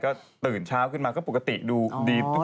ก็ตื่นเช้าขึ้นมาก็ปกติดูดี